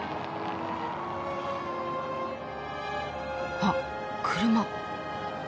あっ車。